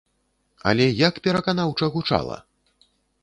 Але як пераканаўча гучала!